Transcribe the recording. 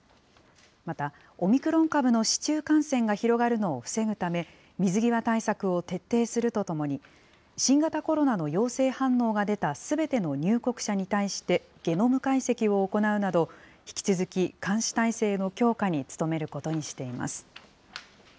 また、オミクロン株の市中感染が広がるのを防ぐため、水際対策を徹底するとともに、新型コロナの陽性反応が出たすべての入国者に対して、ゲノム解析を行うなど、引き続き監視体制の強化に努めることにしています。